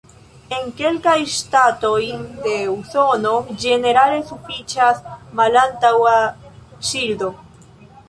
En kelkaj ŝtatoj de Usono ĝenerale sufiĉas malantaŭa ŝildo.